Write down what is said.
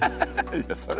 いやそれは。